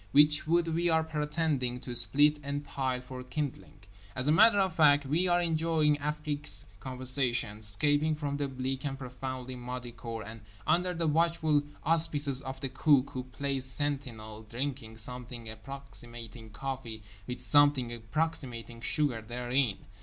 Which wood we are pretending to split and pile for kindling. As a matter of fact we are enjoying Afrique's conversation, escaping from the bleak and profoundly muddy cour, and (under the watchful auspices of the Cook, who plays sentinel) drinking something approximating coffee with something approximating sugar therein.